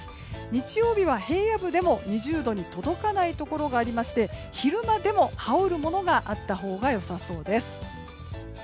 日曜日は平野部でも２０度に届かないところがありまして昼間でも羽織るものがあったほうが良さそうです。